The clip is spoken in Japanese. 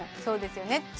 そうですよね